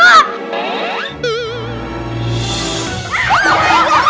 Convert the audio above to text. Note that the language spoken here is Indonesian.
aduh kecoh kecoh